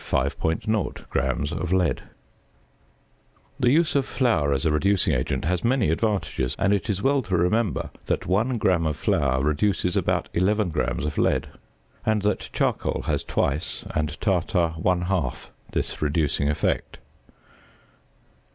0 " The use of flour as a reducing agent has many advantages, and it is well to remember that 1 gram of flour reduces about 11 grams of lead; and that charcoal has twice, and tartar one half, this reducing effect.